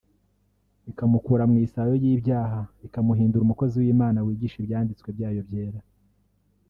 ikamukura mu isayo y’ibyaha ikamuhindura umukozi w’Imana wigisha ibyanditswe byayo byera